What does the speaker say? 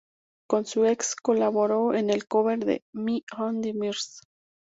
Con su ex colaboró en el "cover" de "Me and Mrs.